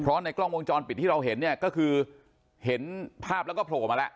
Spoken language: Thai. เพราะในกล้องวงจรปิดที่เราเห็นเนี่ยก็คือเห็นภาพแล้วก็โผล่มาแล้ว